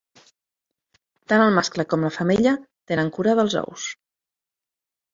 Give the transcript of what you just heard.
Tant el mascle com la femella tenen cura dels ous.